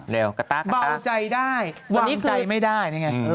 เบาใจได้วงใจไม่ได้